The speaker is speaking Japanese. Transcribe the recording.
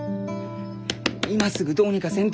今すぐどうにかせんと！